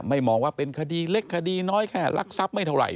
มองว่าเป็นคดีเล็กคดีน้อยแค่รักทรัพย์ไม่เท่าไห